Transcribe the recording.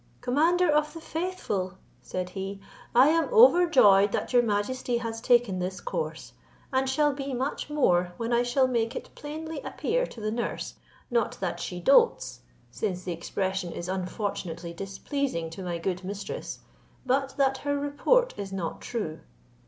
"Commander of the faithful," said he, "I am overjoyed that your majesty has taken this course; and shall be much more, when I shall make it plainly appear to the nurse, not that she doats, since the expression is unfortunately displeasing to my good mistress, but that her report is not true."